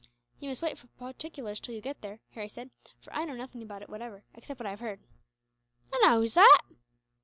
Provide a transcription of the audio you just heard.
"You must wait for particulars until you get there," Harry said, "for I know nothing about it whatever, except what I have heard." "And how is that?"